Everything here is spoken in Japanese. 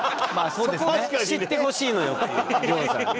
そこを知ってほしいのよっていう亮さんに。